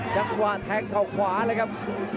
จังหว่าแทงข้าวขวาเลยครับ